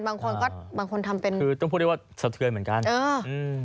บางคนก็บางคนทำเป็นคือต้องพูดได้ว่าสะเทือนเหมือนกันเอออืม